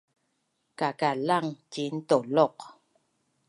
kakalang ciin tau’loq